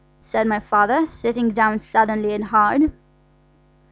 said my Father, sitting down suddenly and hard.